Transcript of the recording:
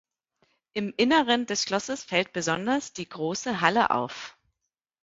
Im Inneren des Schlosses fällt besonders die große Halle auf.